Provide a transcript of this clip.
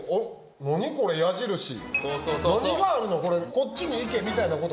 こっちに行けみたいなこと？